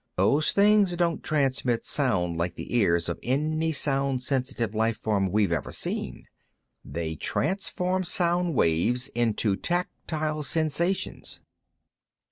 Those things don't transmit sound like the ears of any sound sensitive life form we've ever seen. They transform sound waves into tactile sensations."